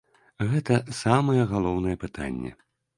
Гэта самае галоўнае пытанне.